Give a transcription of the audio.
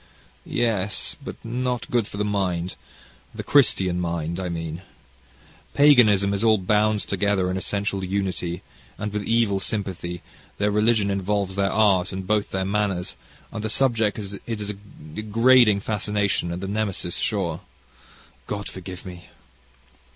"Yes, but not good for the mind the Christian mind, I mean. Paganism is all bound together in essential unity, and, with evil sympathy, their religion involves their art, and both their manners, and the subject is a degrading fascination and the Nemesis sure. God forgive me!